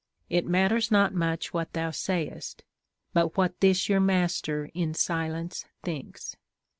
It matters not much what thou sayest, but what this your master in silence thinks.